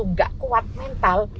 tidak kuat mental